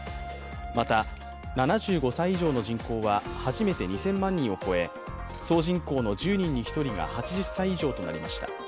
また、７５歳以上の人口は初めて２０００万人を超え総人口の１０人に１人が８０歳以上となりました。